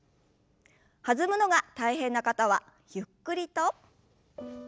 弾むのが大変な方はゆっくりと。